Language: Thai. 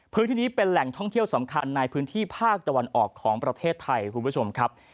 พื้นที่นี้เป็นแหล่งท่องเที่ยวสำคัญในพื้นที่ภาคตะวันออกของประเทศไทยคุณผู้ชมครับ